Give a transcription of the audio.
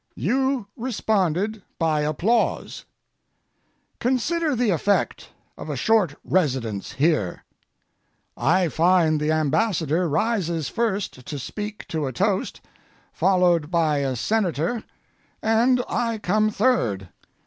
You responded by applause. Consider the effect of a short residence here. I find the Ambassador rises first to speak to a toast, followed by a Senator, and I come third.